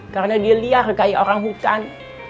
karena dia liar kayak orang hutan